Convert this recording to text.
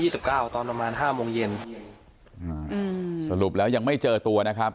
สรุปแล้วยังไม่เจอตัวนะครับ